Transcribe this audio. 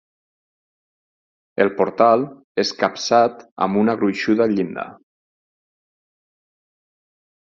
El portal és capçat amb una gruixuda llinda.